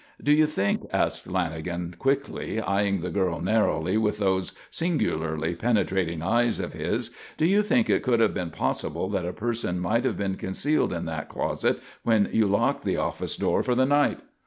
"Do you think," asked Lanagan quickly, eying the girl narrowly with those singularly penetrating eyes of his, "do you think it could have been possible that a person might have been concealed in that closet when you locked the office door for the night?"